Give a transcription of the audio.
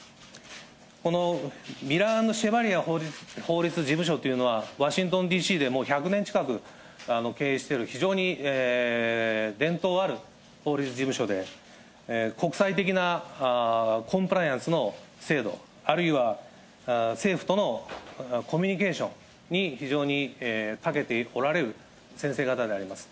このミラー＆シェバリア法律事務所というのは、ワシントンＤＣでも１００年近く経営している、非常に伝統ある法律事務所で、国際的なコンプライアンスの制度、あるいは、政府とのコミュニケーションに非常にたけておられる先生方であります。